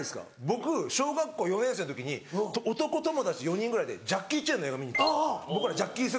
僕小学校４年生の時に男友達４人ぐらいでジャッキー・チェンの映画見に行った僕らジャッキー世代なんで。